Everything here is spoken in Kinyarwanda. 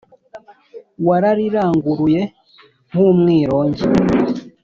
Warariranguruye nk'umwirongi